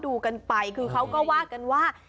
ดูกันไปคือเขาก็ว่ากันว่า